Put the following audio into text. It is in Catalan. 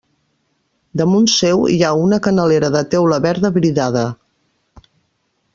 Damunt seu hi ha una canalera de teula verda vidrada.